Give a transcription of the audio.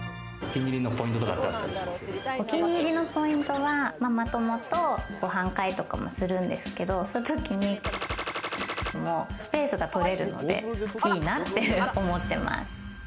お気に入りのポイントは、ママ友とご飯会とかもするんですけど、スペースが取れるのでいいなって思ってます。